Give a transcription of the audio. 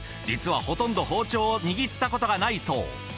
実はほとんど包丁を握ったことがないそう。